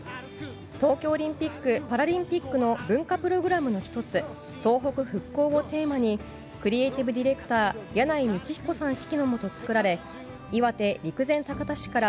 東京オリンピック・パラリンピックの文化プログラムの１つ東北復興をテーマにクリエーティブディレクター箭内道彦さん指揮のもと作られ岩手・陸前高田市から